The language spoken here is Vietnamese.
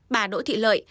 bà đỗ thị lợi